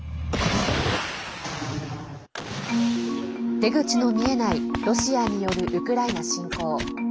出口の見えないロシアによるウクライナ侵攻。